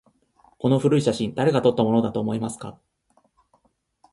この古い写真、誰が撮ったものだと思いますか？